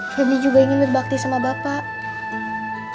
kami juga ingin berbakti sama bapak